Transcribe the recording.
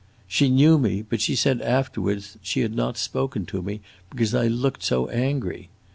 She knew me, but she said afterwards that she had not spoken to me because I looked so angry.